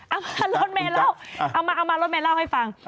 เอามาลดแมนเล่าเอามาลดแมนเล่าให้ฟัง